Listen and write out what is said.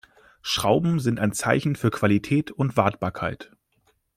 Schrauben sind ein Zeichen für Qualität und Wartbarkeit.